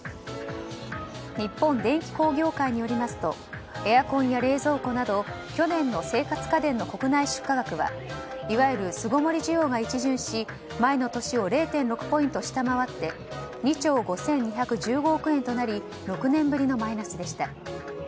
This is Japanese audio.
日本電機工業会によりますとエアコンや冷蔵庫など去年の生活家電の国内出荷額はいわゆる巣ごもり需要が一巡し前の年を０．６ポイント下回って２兆５２１５億円となり６年ぶりのマイナスでした。